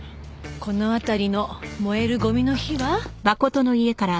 この辺りの燃えるゴミの日は？